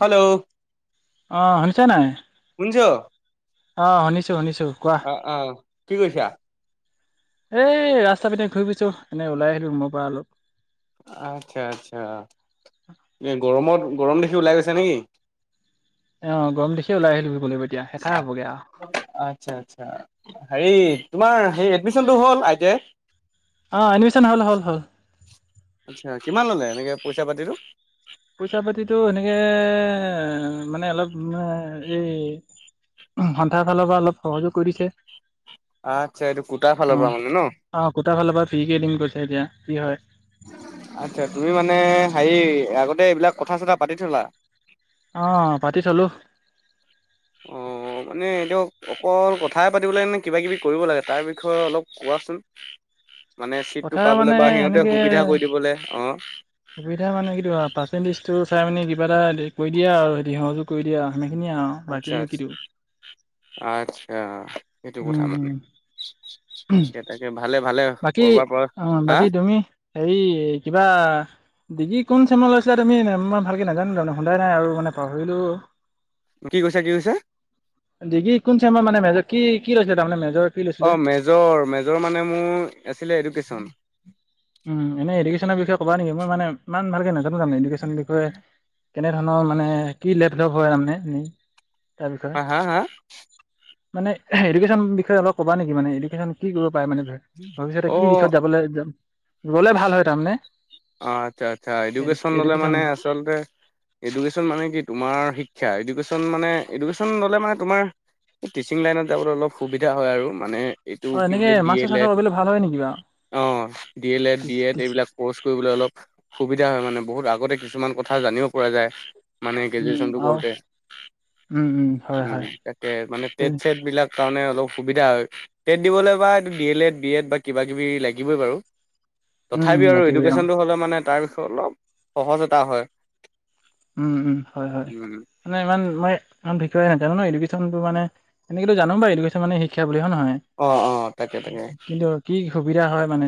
Hello. অঁ শুনিছা নাই? শুনি ছ। আহ শুনিছো শুনিছো কোৱা? কি কৰিছা? এ ৰাস্তা পিনে ঘুৰি ফুৰিছোঁ এনেই ওলাই আহিলো ৰুমৰ পৰা অলপ। আচ্ছা, আচ্ছা এই গৰমত। গৰম দেখি ওলাই গৈছা নেকি? অ গৰম দিশে ওলাই আহিলোঁ। আচ্ছা আচ্ছা হেৰি। তোমাৰ সেই এডমিচনটো হ'ল আই টি আই। অঁ এনিমেশ্যন হল হল হল। আচ্ছা কিমান ললে এনেকে পইচা পাতিটো। পইচা পাতিটো সেনেকে মানে অলপ এই। সন্ত্ৰাৰ ফালৰ পৰা অলপ সহযোগ কৰিছে। আচ্ছা এইটো কোটা ভাল পোৱা মানে ন। ফ্ৰী কে দিম কৈছে এতিয়া কি হয়। আচ্ছা তুমি মানে হেৰি আগতে এইবিলাক কথা চথা পাতি থলা। অহ পাতি থলো। অ। অ মানে এতিক অকল কথাই পাতিব লাগ নে কিবা কিবি কৰিব লাগে তাৰ বিষয়ে অলপ কোৱাচোন। মানে চিটটো কথা মানে পাবলৈ বা সিহতে সেনেকে সুবিধা কৰি দিবলৈ অ। সুবিধা মানে কি পাৰ্চেণ্টেজটো চাই মানে কিবা এটা কৰি দিয়া আৰু সে সহযোগ কৰি দিয়া। খিনিয় অ বাকীনো কিতো। আতছা এইেইটো কথা মানে। তাকে তাকে ভালে ভালে বাকী কৰবাৰ পৰা অ হা বাকী তুমি হেৰি কিবা। অ। কি কোন চেমল লৈছিলা তুমি ইমমান ভালকে নাজান তানে শুধাই নাই আৰু মানে পাহৰিলো। কি কৈছা কি কৈছা ডিগ্ৰি কোন চাইমাৰ মানে মেজৰ কি কি ৰৈছে তাৰমানে মেজৰ। কি লৈছিলে অঁ মেজৰ মেজৰ মানে মোৰ আছিলে এডুকেশ্যন। উম এনে এডুকেশ্যনৰ বিষয়ে কব নেকি মই মানে ইমান ভালকে নাজানো জানো এডেনৰ বিষয়ে। কেনে ধৰণৰ মানে কি লেভ লপ হয় তাৰমানে এনেই। তাৰ বিষয়ে হ হা হা। মানে এডুকেশ্যন বিষয়ে অল ক'ব নেকি মানে এডকেশ্যন কি কৰ। পাই মানে ভৱিষ্যতে অ কি দিশত যাবলৈ যাম যলে ভাল হয় তাৰমানে। অ আচ্ছা আচ্ছা এডু এডুকেশচন ললে এডুকেশ্যন মানে আচলতে। এডকেশ্যন মানে কি তোমাৰ শিক্ষা। ন মানে এডুকেশ্যন ল'লে মানে তোমাৰ টিচিং লাইনত যাবলৈ অলপ সুবিধা হয় আৰু মানে। এইটো অ' কি এনেকে বুলি ডি মাষ্টৰ এল চাষ্টৰ এড কৰিবলৈ ভাল হয় নেকি বাৰু অ D L Ed D Ed এইবিলাক প'ৰ্চ। অলপ সুবিধা হয় মানে বহুত আগতে কিছুমান কথা জানিব পৰা যায়। মানে উম গ্ৰেজুৱেচন টো আৰু কৰোতে উম হয় উম হয় তাকে মানে ট উম চছেট বিলাক। কাৰণে অলপ সুবিধা হয় টেট দিবলৈ বা এই D L Ed B Ed বা কিবা কিবি লাগিবই বাৰু। উম উম লাগিবই আৰু। লে মানে তাৰ বিষয়ে অলপ সহজ এটা হয়। উম উম হয় হয় উম মানে ইমান মই। অ বিষয় ন নয় এডেশ্যনটো মানে তেনেকেতটো জানো বুডেশ্যন মান শিক্ষা। বুলি হয় নহয় অ অ তাকে তাকে কিন্তু কি সুবিধা হয় মানে।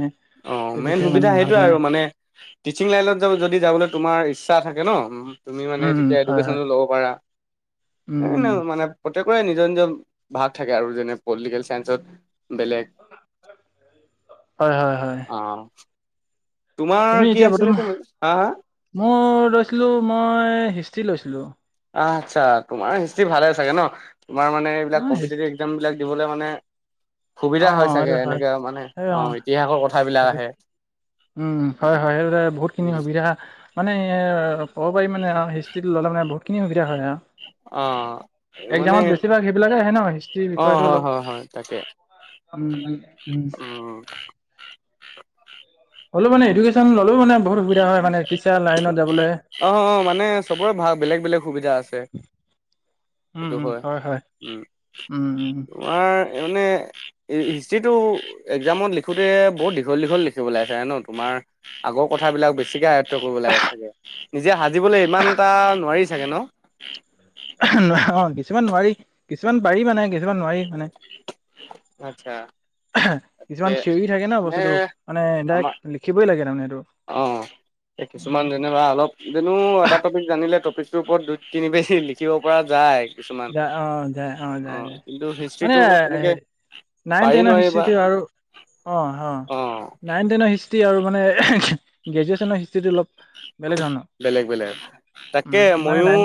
অ সেই মেইন বিষয়ে ইমান সুবিধা সেইটোৱে ভালকে আৰু মানে, টিচিং লাইনত যাব যদি যাবলৈ তোমাৰ ইচ্ছা থাকে ন। উ তুমি মানে উম উম যেতিয়া হয় এডুকেছন হয় ল'ব পাৰা এ উম উম মানে। প্ৰতক নিজৰ নিজৰ ভাগ থাকে আৰু যেনে পলিটিকেল চাইসত। বেলেগ, হয় হয় হয় অ। তোমাৰ তুমি কি এতিয়া আছিলে বৰ্তমান, কি হা হা মোৰ লৈছিলো মই হিষ্ট্ৰী লৈছিলো। আচ্ছা তোমাৰ হিষ্ট্ৰী ভালে চাগে ন, তোমাৰ মানে অ এইবিলাক হিষ্ট কম্পিটেটিভ এক্সামবিলাক দিবলৈ মানে। সুবিধা অ হয় চাগে সেইটো এনেকে মানে অ ইতিহাসৰ ক। উম হয় হয় সেই বহুত খিনি সুবিধা মানে। অঁ বাৰ মান হিষ্ট্ৰীত ল' মানে বহুতখিনি সুধা আৰু। অ মানে একজামত বেছিভাগ সেইবিলাকে আহে ন হিষ্ট্ৰীৰ অ বিষয়তো হয় অলপ। হয় হয় তাকে উম উম। হয়। হ'লে মানে এডুকেশ্যন ললেও মানে বহুত সুবিধা হয় মে অ অ মানে চবৰে ভাল বেলেগ বেলেগ সুবিধা আছে সেইটো হয় উম উম উম। তোমাৰ মানে হিষ্ট্ৰিটো এক্জামত লিখোতে বহুত দীঘল দীঘল লিখিব ওলাইছে ন তোমাৰ আগৰ কথাবিলাক বেছিকে কৰিব লাগে চাগে নিজে সাজিবলৈ ইমান এটা নোৱাৰি চাগে ন অ কিছুমান নোৱাৰি কিছুমান পাৰি মানে কিছুমান নোৱাৰি মানে আচ্ছা কিছুমান থিয়ৰি থাকে ন মানে বস্তুতটো মানে আমাৰ ডাইৰেক্ট লিখিবই লাগে তাৰমানে সেইটো। অ কিছুমান উম যেনিবা অলপ যেনো এটা টপিক জানিলে টপিক ইবত দুই তিন বজি লিখিব পৰা যায় কিছুমান যা অ যায় অ যায় যায় কিন্তু মানে হিষ্ট্ৰ্ৰীটো তেনেকে নাইন পাৰি টেনৰ নোৱাৰি বা হিষ্ট্ৰী আৰু অ অ নাইন টেনৰিষ্ট মানে গ্ৰেজে হষ্টটো অল বেলেগ বেলেগ তাকে উম ইমানে মইও নাইন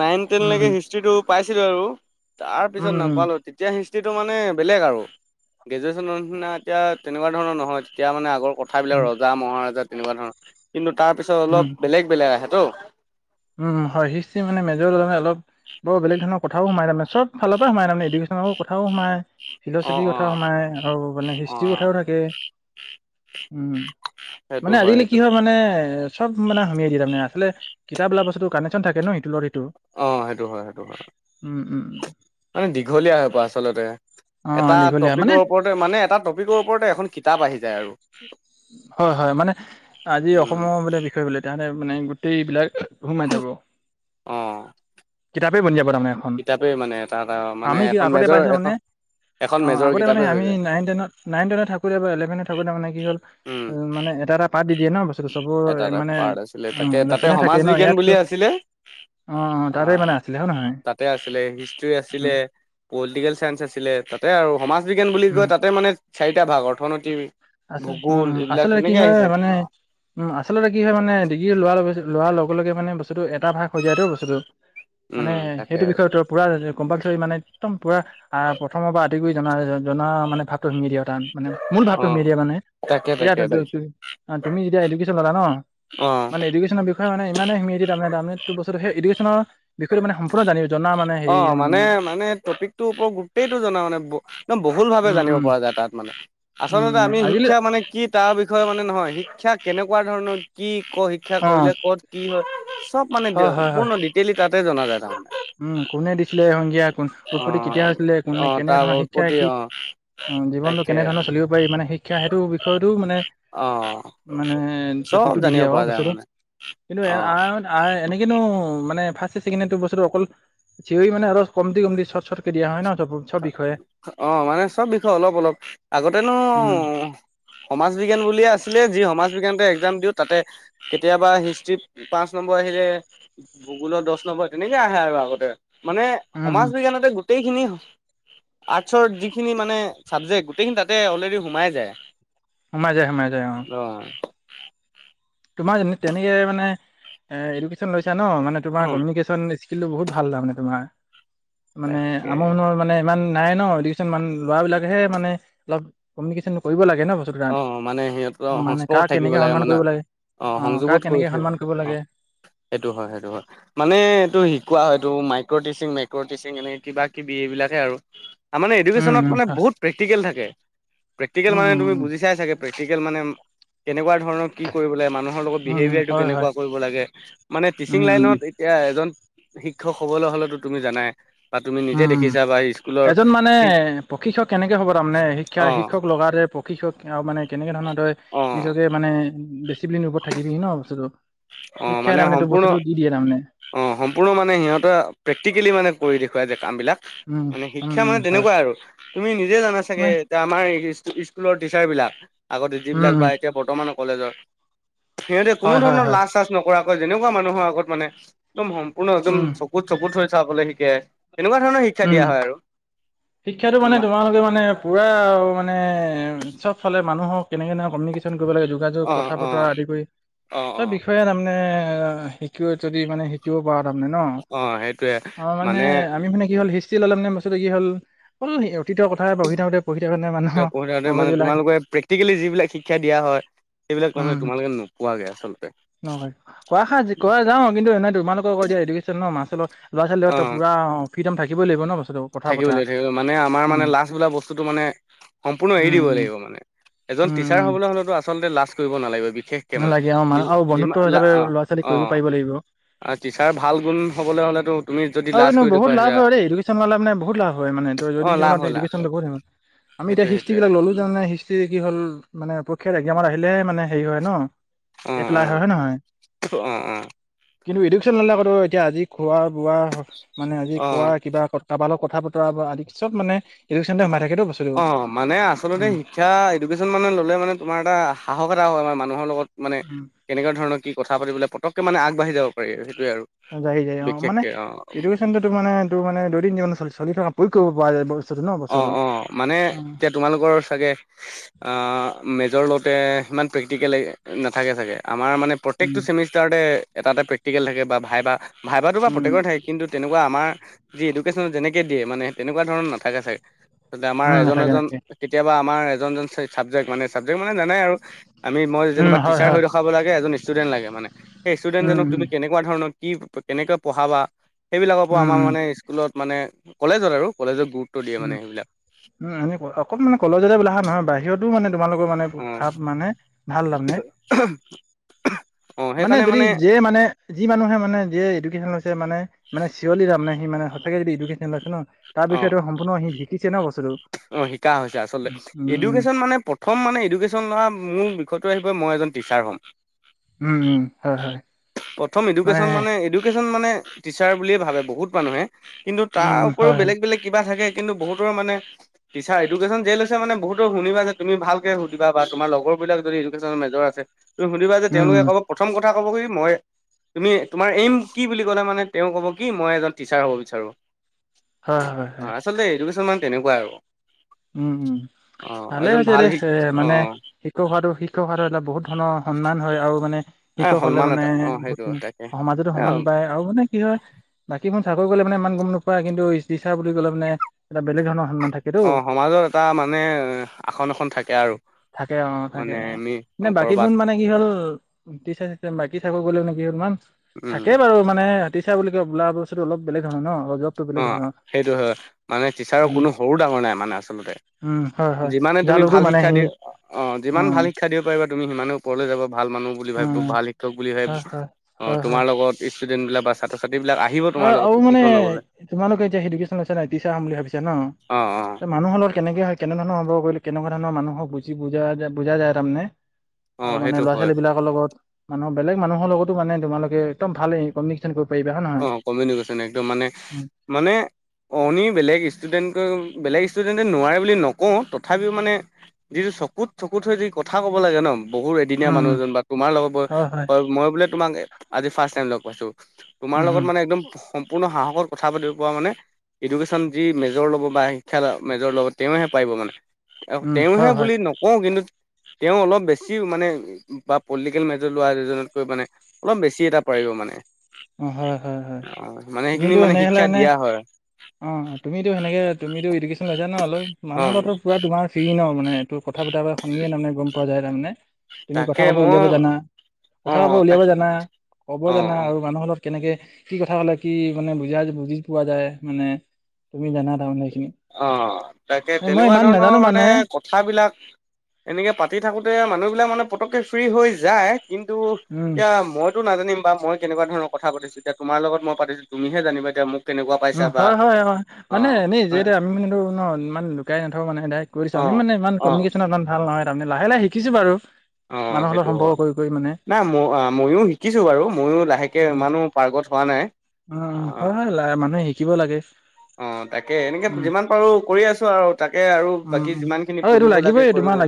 নাইন টেন লে উম হিষ্ট্ৰি টো পাইছিলো আৰু তাৰ উম পিছত উম নাপালো তেতিয়া হিষ্ট্ৰী টো মানে বেলেগ আৰু গ্ৰেজুৱেচন নিচিনা এতিয়া তেনেকুৱা ধৰণৰ নহয় তেতিয়া মানে আকৌ কথাবিলাক উম ৰজা মহাৰজা তেনেকুৱা ধৰণৰ কিন্তু তাৰ পিছত উম, অলপ বেলেগ বেলেগ আহে তো উম, হয় হিষ্ট্ৰী মানে মেজৰ ল'লে মানে অলপ বৰ বেলেগ ধৰণৰ কথাও সোমাই তামে চব ফালৰ পৰা সোমাই তাৰান এডুক্যনৰ কথাও সোমাই অ ফিলচফিৰ অ কথাও সোমাই আৰু মানে অ হিষ্ট্ৰীৰ কথাও থাকে। উম সেইটো মানে আজিলালি সেইটো কি হয় মানে চব মানে সুমিয়াই তাৰে আঁচলতে কিতাপ বোলা বস্তু কানেককচন থাকে ন সটো অ সেইটো হয় সেইটো হয় উম, উম, উম। মানে দীঘলীয়া হৈ প আচলতে অ' এটা দীঘলীয়া মানে টপিকৰ ওপৰতে মানে এটা টপিকৰ ওপৰতে এখন কিতাপ আহি যায় আৰু। হয় হয় মানে আজি অসমৰ বোলে বিষয় বলে তোহলে মানে গোটেই বিলাক সোমাই থাব অঁ কিতাপে উলিয়াব তাৰ মানে এখন কিতাপেই মানে এটা এটা মানে আমি কি এখন আগতে মেজৰ পাইছিলো মানে এখন এখন অ মেজৰ আগতে মানে কিতাপে হৈ আমি যায়। নাইন টেইন নাইন টনত থাকোঁ ইলেভেনত থাকোতে মানে কি হ'ল উম মানে এটা এটা প এটা এটা পাৰ্ট আছিলে অ' তাকে তাতে লেচনে থাকে সমাজ ন বিজ্ঞান ইয়াত অ' বুলিয়ে আছিলে অ তাতে মানে আছিলে হয় নহয় তাতে আছিলে হিষ্টী আছিলে উম পলিটিকেল চায়ন্ঞ্চ আছিলে তাতে আৰু সমাজ বিজ্ঞান বুলি উম কয় তাতে মানে চাৰিটা ভাগ অৰ্থনৈতি আছে উম আচলতে কি হয় মানে। অঁ উ আচলতে কি হয় মানে ডিগ্ৰী লোৱাৰ লগ লোৱাৰ লগে লগে মানে বস্তুটো এটা ভাগ হৈ যায়তো বস্তুটো। মানে উম তাকে সেইটো বিষয়ত পুৰা কম্পালচৰি মানে একদম পুৰা প্ৰথমৰ পৰা আদি কৰি জনা মানে ভাগটো সোমাই দিয়ে তাত মানে তুমি অঁ এ দিয়া মানে তাকে এ তাকে তাকে তুমি যেতিয়া ন অঁ মানে এডুকেশনৰ বিষয়ে মানে ইমানে সেই এডনৰ বিষয়টো মান সম্পূৰ্ণ জান অ মানে মানে টপিকটোৰ ওপৰত গোটইটো জনা মানে বহুল ভাবে উম জানিব উম পৰা যায় তাত। উম আচলতে উম আমি আজিলৈ শিক্ষা মানে কি তাৰ বিষয়ে মানে নহয় শিক্ষা কেনেকুৱা ধৰণৰ কি। ক শিক্ষা অ কৰিলে কত কি হয়? চব মানে হয় হয় পূৰ্ণ হয় ডিটেইলি তাতে জনা যায় তাৰমানে। উম কোনে দিছিলে সংজ্ঞা কোন অ। উৎপত্তি কেতিয়া হৈছিলে কোনে অ কেনে তাৰ ধৰণৰ শিক্ষা উৎপত্তি কি? অ জীৱনটো তাকে কেনেধৰণৰ চলিব পাৰি মানে শিক্ষা সেইটো বিষয়তো মানে অ মানে চব টপিকটো দি জানিব দিয়া অ পৰা যায় বস্ততো মানে। কিন্তু অ এনেকেনো মানে ফাৰ্ষ্টয়ে চেকণ্ডিয়েৰ বস্তুটো অকল চিঞৰি মানে আৰু কমতি কমিতি চট চটকে দিয়া হয় ন। চব চব বিষয়ে অ মানে চব বিষয় অলপ অলপ আগতেনো। উম সমাজ বিজ্ঞান বুলিয়ে আছিলে যি সমাজ সমাজ বিজ্ঞানতে এক্সাম দিও তাতে কেতিয়াবা হিষ্টৰি পাঁচ নম্বৰ আহিলে ভূগোলত হব তেনেকে আহে আৰু আগতে মানে উম সমাজ উম বিজ্ঞানতে গোটেইখিনি হ আৰ্টছৰ যিখিনি মানে চাবজেক্ট গোটেইখিনি তাতে অলৰেডি সোমাই যায় সোমাই যায় সোমাই যায় অ তোমাৰ তেনেকে মানে এ এডুকেশ্যন লৈছা ন মানে তোমাৰ অ কমিউনিকেচন [unintelligible] কিন্তুু বহুত ভাল লৈ মানে তোমাৰ মানে তাকে আমো মনৰ মানে ইমান নাই ন মন ল'ৰা বিলাকহে মানে অলপ কমিউনিকেশন কৰিব লাগে ন বস্তুটো তাত অ মানে সিহঁতৰ অ মানে সংস্পৰ্শত কাক থাকিব কেনেকে সন্মান মানে কৰিব লাগে অ কাক সংযোগত কৰি কেনেকে থাকিব সন্মান কৰিব অ লাগে। সেইটো হয় সেইটো হয় মানে এইটো শিকোৱা হয় এইটো মাইক্ৰ' টিচিং মেকৰ টিচিং এনে কিবা কিবি এইবিলাকে আৰু তাৰ মানে উম, এডুকেশনত উম, মানে হয় বহুত প্ৰেক্টিকেল থাকে প্ৰেক্টিকেল উম, মানে উম, উম, তুমি উম, বুজি চাই চাগে প্ৰেক্টিকেল মানে ম কেনেকুৱা ধৰণৰ কি কৰিবলে মানুহ লগত উম, বিহেভিয়াৰটো হয়, হয়, কেনেকুৱা কৰিব লাগে মানে টিচিং উম, উম, লাইনত এতিয়া এজন শিক্ষক হ'বলৈ হলেতো তুমি জানাই বা তুমি নিজে উম দেখিছা বা স্কুলৰ এজন মানে প্ৰশিক্ষক কেনেকে হ'ব তাৰমানে শিক্ষা অ শিক্ষক লগাতে প শৃ্ষক আৰু মানে কেনেকে ধৰণৰ দৰে অ নিজকে মানে ডিচিপ্লিন ওপৰত থাকিবি ন বস্তুটো অ শিক্ষাই মানে তাৰমানে টোক সম্পূৰ্ণ বস্তুটো দি দিয়ে তাৰমানে অ সম্পূৰ্ণ মানে সিহঁততে প্ৰেক্টিকেলি মানে কৰি দেখুৱাই যে কাম বিলাক উম, মানে উম, শিক্ষা মানে উম, হয়। তেনেকুৱা আৰু তুমি নিজে জানা চাগে মানে এতিয়া আমাৰ স্কু স্কুলৰ টিচাৰ বিলাক আগতে উম যিবিলাক উম বা এতিয়া বৰ্তমানৰ কলেজৰ সিহঁতে কোনো হয় হয় ধৰণৰ হয় লাজ চাজ নকৰাকৈ যেনেকুৱা মানুহৰ আগত মানে একদম সম্পূৰ্ণ একদম উম চকুত চকুত হৈ চাবলৈ শিকে তেনেকুৱা শিক্ষা উম দিয়া হয় আৰু শিক্ষাটো মানে তোমালোকে মানে পুৰা মানে চব ফালে মানুহক কেনেকে কমিউিকেশ্যন কৰিব লাগে যোগাযোগ অ কথা অ বতৰা আদি কৰি অ অ চব বিষয়ে তাৰমানে শিক যদি মানে শিকিব পৰা তাৰমানে ন অ সেইটোয়ে অ মানে আমি মানে কি হ'ল ললে মানে বস্তুটো কি হল প্ৰত কথাই পঢ়ি থাকোতে পঢ়ি থাকোঁতে মানুহৰ পঢ়ি থাকোতে মানে মগজবিলাক তোমালোকে প্ৰেক্টিকেলি যিবিলাক শিক্ষা দিয়া হয় সেইবিলাক তাৰমানে উম তোমালোকে নোপোৱাগে আচলতে ন কোৱা সি কোৱা যাও কিন্তু এনেই তোমালোকক ক এডুকেশ্বন ন মাস্ত লগত লৰা ছোৱালী লগত অ টো পুৰা ফ্ৰীডম থাকইাগিব ন বস্তুটো কথা থাকিব বতৰা লাগ থাকিব মানে আমাৰ মানে উম লাাজ বোলা বস্তুটো মানে সম্পূৰ্ণ এৰি উম দিবই উম লাগিব মানে এজন উম টিচাৰ উম হবলৈ হলেতো আচলতে লাজ কৰিব নালাগে বিশেষকে মানে নালাগে অ মানুহ আৰু বন্ধুত্ব যিমান লা হিচাপে অ ল'ৰা ছোৱালীক অ কৰিব পাৰিব লাগিব আৰু টিচাৰ ভাল গুণ হবলৈ হলেতো তুমি যদি আৰু লাজ কিন্তু কৰি বহুত দেখুৱাইছা লাভ হয় এডুকেশ্বন ল' মানে বহুত লাভ হয় মানেটো অ লাভ জীৱনত হয় লাভ হয় এডেশ্যনু আমি এতিয়া সেইটোয়ে হিষ্ট্ৰ্ৰী সেইটোয়ে বিলাক ললো জানে হিষ্ট্ৰ্ৰী কি হল মানে পৰীক্ষাৰ এক্জামত আহিলে মানে হেৰি হয় ন অ অ এপ্লাই হয় হয় নহয় অ অ কিন্তু এডুকেশ্যন নলেকতো এতিয়া আজি খোৱা বোৱা মানে আজি অ ক কিবা কাৰবালক কথা বতৰা বা আদি পিছত মানে এডুকেশ্যন সোমাই থাকে তো অঁ মানে আচলতে শিক্ষা এডুকেশ্যন মানে ল'লে মানে তোমাৰ এটা সাহস এটা হয় আমাৰ মানুহৰ লগত মানে উম কেনেকুৱা ধৰণৰ কি কথা পাবলৈ পতককে মানে আগাঢ়ি যাব পাৰি সেইটো যাইি যায় অ মানে এডুকেশ্যনটো তোৰ মানে তোৰ মানে দুইদিন যিল চলি থকা পয়ুক কৰিব পৰা যায় ব অ অ মানে এতিয়া তোমালোকৰ চাগে মেজৰ লত সিমান প্ৰেক্টিকেল নাথাকে চাগে আমাৰ মানে উম প্ৰত্যেকটো চেমিষ্টাৰতে এটা এটা প্ৰেক্টিকেল থাকে বা ভাইবা ভাইাৰ বা উম প্ৰত্যেককৰ থাকে কিন্তু তেনেকুৱা আমাৰ যি এডুকেশ্যনত যেনেকে দিয়ে মানে তেনেকুৱা ধৰণৰ নথাকে চাগে আমাৰ উম এজন নাথাকে এজন নাথাকে কেতিয়াবা আমাৰ এজনজন চাবজেক্ট মানে চাবজেক্ট মানে জানাই আৰু আমি মই উম যেনিবা হয় টিচাৰ হয় হৈ দেখাব লাগে এজন ষ্টুডেণ্ লাগে মানে সেই উম ষ্টুডেণ্জনক তুি উম কেনেকুৱা ধৰণৰ কি কেনেকৈ পঢ়াবা সেইবিলাকৰ পৰা উম আমাৰ উম মানে স্কুলত মানে কলেজত আৰু কলেজত গুৰুত্ব দিয়ে উম মানে সেইবিলাক উম এনে অকণ মানে কলজতে বোলা নহয় বাহিৰতো মানে তোমালোকৰ মানে অ ভাৱ মানে ভাল নে [unintelligible] মানে যদি যিয়ে মানে যি মানুহে মানে যিয়ে এডুকেশ্যন লৈছে মানে মানে চিঞৰলি তামানে সি মানে সচাকে এডুকেচন আছে ন তাৰ অ বিষয়েটো সম্পূৰ্ণ সি শিকিছে ন বস্তুটো অ শিকা হৈছে আচলতে উম উম এডুকেশ্যন মানে প্ৰথম মানে এডুকেশ্যন লোৱা মোৰ বিষয়তটো আহিব মই এজন ট্ৰেছাচাৰ হম উম উম হয় হয় প্ৰথম এডুকেশ্যন মানে এডুকেশ্যন মানে টিচাৰ বুলিয়ে ভাবে বহুত মানুহে কিন্তু তাৰ উম উপৰিও হয় হয় বেলেগ বেলেগ কিবা থাকে কিন্তু বহুতৰ মানে টিচাৰ এডুকেশ্যন যেে লৈছে মানে বহুতৰ শুনিবা যে তুমি ভালকে সুধিবা বা তোমাৰ লগৰ বিলাক যদি এডুকেছন মেজৰ আছে তুি সুধিবা যে উম তেওঁলে ক'ব প্ৰথম কথা কব কি মই তুমি তোমাৰ এইম কি বুলি ক'লে মানে তেওঁ ক'ব কি মই এজন ট্ৰচাৰ হ'ব বিচাৰোঁ হয় অ হয় হয় অ আচলতে এডুকেশ্যন মানে তেনেকুৱা আৰু উম উম অ ভালে এজন হৈছে ভাল দে শিক এ মানে অ শিক্ষক হোৱাটো শিক্ষক হোৱাটো বহুত ধৰণৰ সন্মান হয় আৰু মানে এ শিক্ষক হলে সন্মান মানে এটা অ বহু সেইটো তাকে সমাজতো এ সন্মান পায় আৰু মানে কি হয় বাকী মোৰ চাকৰি কৰিলে মানে ইমান গম নোপোৱা কিন্তু ইিচা বুলি ক'লে মানে এটা বেলেগ ধৰণৰ সন্মান থাকেতো মাজত এটা মানে আসন এখনন থাকে আৰু থাকে অ থাকে মানে অ আমি নে কৰবাত বাকীবন মানে কি হ'ল চ বাকী চাকৰি কৰিলে কি হল ইমানচ উম থাকেই বাৰু মানে ত্ৰচেৰ বুলি কয় বোলা বস্তুটোল বেলেগ ধৰণৰ ন অলপ জবটো বেলেগ অ ধৰণৰ সেইটো হয় মানে টিচাৰৰ কোনো সৰু ডাঙৰ নাই মানে আচলতে হম যিমানে তুমি ভাল শিক্ষা দি অ যিমান উম ভাল শিক্ষা দিব পাৰিবা তুমি সিমানে ওপৰলৈ যাব ভাল মানুহ বুলি ভাবিব উম ভাল শিক্ষক ভাবিব হয় হয় অ হয় হয় তোমাৰ লগত ইষ্টদেন বা ছাত্ৰ ছাত্ৰিবিলাক আক আহিব আৰু তোমাৰ লগৰ আৰু মানে প্ৰশিক্ষণ লবলৈ তোমালোকে এতিয়াডুকেশ্যন লৈছে নাই ট্ৰচাৰ হম বুলি ভাবিছ ন অ অ মানুহৰ লগত কেনেকে হয় কেনে ধৰণৰ হ'ব গলে কেনেকোৱা ধৰণৰ মানুহক বুজি বুজা বুজা যায় তাৰমানে অ আৰু মানে সেইটো ল'ৰা হয় ছোৱালী বিলাকৰ লগত মানুৰ বেলেগ মানুহৰ লগতো মানে তোমোকে একদমাল কমিউনিক্যন কৰিব পাৰিবা হয় অ নহয় কমিউনিকেশ্যন একদম মানে উম মানে অননি বেলেগ ষ্টুডেণ্টকৈ বেলেগ ষ্টুডেণ্টে নোৱাৰে বুলি নকওঁ তথাপিও মানে যিটো চকুত চকুত হৈ যি কথা ক'ব লাগে ন বহুত এদিনীয়া উম উম, মানুহজন বা তোমাৰ লগত হয় হয় মই বোলে তোমাক আজি ফাৰ্ষ টাইম লগ পাইছো তোমাৰ উম লগত উম মানে একদম সম্পূৰ্ণ সাহসত কথা পাতিব পোৱা মানে এডুকেশ্যন যি মেজৰ ল'ব বা শিক্ষা মেজৰ ল'ব তেওঁহে পাৰিব মানে উম তেওঁহে হয় হয় বুলি নকওঁ কিন্তু তেওঁ অলপ বেছি মানে বা পলিটিকেল মেজৰ লোৱা এজনতকৈ মানে অলপ বেছি এটা পাৰে পাৰিব মানে হয় হয় হয় অ মানে সেইখিনি তুমিতো মানে সেনেহলে শিক্ষা দিয়া হয় অ তুমিতো সেনেকে তুমিটো ইডুকেশ্যন লৈছা ন হ'লো অ মানুহৰো লগত পোৰা ফি ন মানে এইটো কথা পতাৰা শুনিয়ে তাৰমানে গম পোৱা যায় তাৰমানে তুমি তাকে কথা কব মই উলিয়াব জানা অ কথা কব তাক উলিয়াব জানা কব অ জানা অ আৰু মানুহৰ কেনেকে কি কথা কলে কি মানে বুজা বুজি পোৱা যায় মানে তুমি জানা তাৰমানে সেইখিনি অ তাকে মই তেনেকুৱা ইমান ধৰণৰ নাজানো মানে কথাবিলাক এনেকে পাতি থাকোতে মানুহ মানে পতককে ফ্ৰী হৈ যায় কিন্তু উম এতিয়া মইতো নাজানিম বা মই কেনেকোৱা ধৰণ কথা পাতিছো এতিয়া তোমাৰ লগতই পাতিচো তুমি হে জানিবা এতিয়া মোক কেনেকুৱা পাইছা উম বা হয় হয় হয় অ মানে এনেই যে হয় আমি মানটো ইমান লুকাই নথাকো মানে কৰিছো অ আমিনোহ অ ইমানমিউ ভ ভাল নহয় তাৰমানে লাহে লাহে শিকিছো বাৰু অ মানুহলে সেইটো সম্পৰ্ক হয় কৰি। মানে নাই ম ময়ো শিকিছোঁ বাৰু ময়ো লাহেকে ইমানো পাৰ্গত হোৱা নাই। উ অ উম হয় হয় মানুহে শিকিব লাগে। অ তাকে এনেকে উম যিমান পাৰো কৰি আছো আৰু তাকে আৰু উম বাকি উম যিমান খিনি আৰু এইটো পঢ়িব লাগিবই লাগে কৰিব তোমাৰ লাগে।